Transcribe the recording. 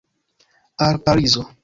Al Parizo.